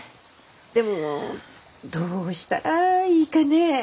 でもどうしたらいいかねえ。